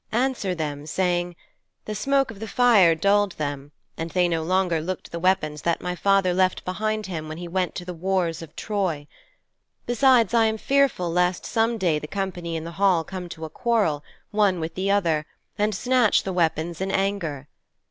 answer them, saying, "The smoke of the fire dulled them, and they no longer looked the weapons that my father left behind him when he went to the wars of Troy. Besides, I am fearful lest some day the company in the hall come to a quarrel, one with the other, and snatch the weapons in anger.